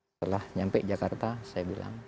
setelah nyampe jakarta saya bilang